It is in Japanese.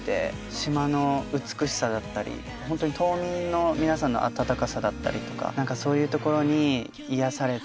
島の美しさだったりホントに島民の皆さんの温かさだったり何かそういうところに癒やされて。